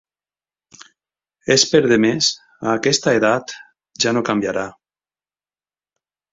És per demés, a aquesta edat ja no canviarà.